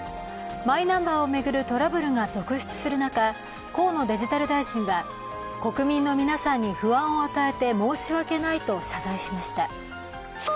マイナンバーを巡るトラブルが続出する中、河野デジタル大臣は、国民の皆さんに不安を与えて申し訳ないと謝罪しました。